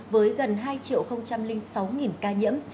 với gần hai triệu sáu ca nhiễm